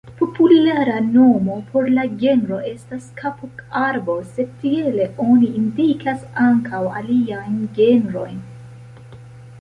Populara nomo por la genro estas "kapok-arbo", sed tiele oni indikas ankaŭ aliajn genrojn.